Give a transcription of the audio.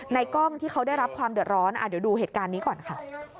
กล้องที่เขาได้รับความเดือดร้อนเดี๋ยวดูเหตุการณ์นี้ก่อนค่ะ